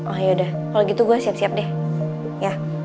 oh yaudah kalau gitu gue siap siap deh